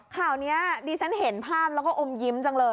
ข่าวนี้ดิฉันเห็นภาพแล้วก็อมยิ้มจังเลย